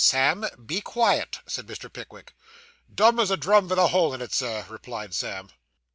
'Sam, be quiet,' said Mr. Pickwick. 'Dumb as a drum vith a hole in it, Sir,' replied Sam.